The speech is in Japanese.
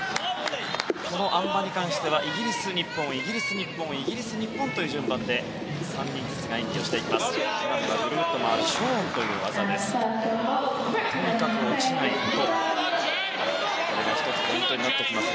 このあん馬に関してはイギリス、日本イギリス、日本という順番で３人ずつ演技していきます。